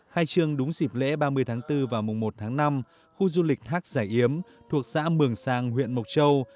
hai trường đúng dịp lễ ba mươi tháng bốn và mùng một tháng năm khu du lịch hác giải yếm thuộc xã mường sang huyện mộc châu